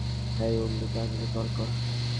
হেই, তোর উকিলকে আঙ্কেলকে কল কর।